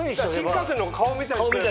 新幹線の顔みたいに。